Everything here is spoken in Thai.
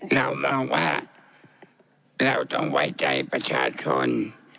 เรามองว่าเราต้องไว้ใจประชาชน